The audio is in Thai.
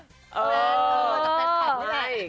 รู้มันจากแฟนคลับด้วย